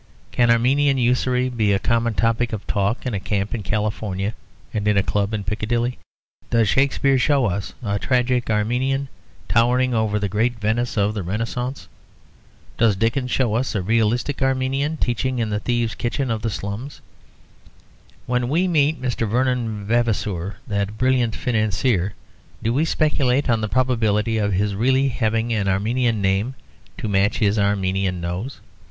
Can Armenian usury be a common topic of talk in a camp in California and in a club in Piccadilly? Does Shakespeare show us a tragic Armenian towering over the great Venice of the Renascence? Does Dickens show us a realistic Armenian teaching in the thieves' kitchens of the slums? When we meet Mr. Vernon Vavasour, that brilliant financier, do we speculate on the probability of his really having an Armenian name to match his Armenian nose?